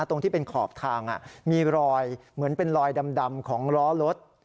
ตรงที่เป็นขอบทางมีรอยเหมือนเป็นรอยดำของล้อรถ